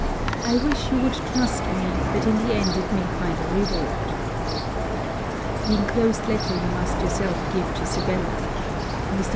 I wish you would trust me, that in the end it may find a reward. The inclosed letter you must yourself give to Sibella. Mr.